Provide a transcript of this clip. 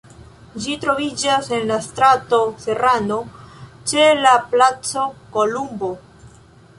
Ĝi troviĝas en la strato Serrano, ĉe la Placo Kolumbo.